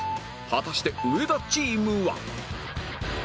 果たして上田チームは